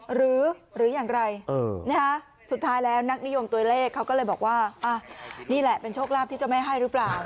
หรืออย่างไรสุดท้ายแล้วนักนิยมตัวเลขเขาก็เลยบอกว่านี่แหละเป็นโชคลาภที่เจ้าแม่ให้หรือเปล่า